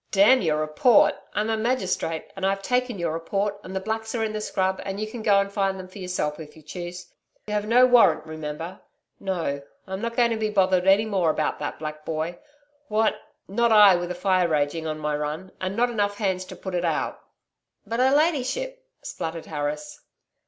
'Damn your report. I'm a magistrate, and I've taken your report, and the blacks are in the scrub and you can go and find them for yourself if you choose. You have no warrant, remember. No, I'm not going to be bothered any more about that black boy. What.... Not I with a fire raging on my run, and not enough hands to put it out.' 'But her ladyship....' spluttered Harris.